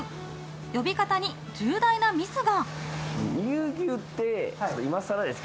呼び方に重大なミスが。